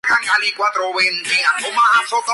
Paavo se molesta hasta que Davis lo tranquiliza.